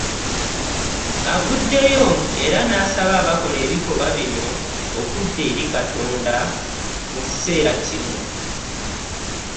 Avuddeyo era n'asaba abakola ebikolwa bino okudda eri Katonda mu kaseera kano.